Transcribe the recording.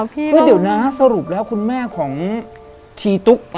พี่รู้มั้ยเดี๋ยวนะสรุปแล้วคุณแม่ของชีทุก